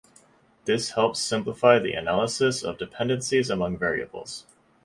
This helps simplify the analysis of dependencies among variables.